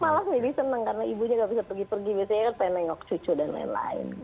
malah jadi senang karena ibunya nggak bisa pergi pergi biasanya kan pengen nengok cucu dan lain lain